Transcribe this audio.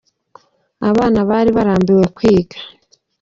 Abana bari barambiwe kwiga.